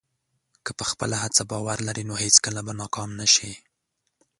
که په خپله هڅه باور لرې، نو هېڅکله به ناکام نه شې.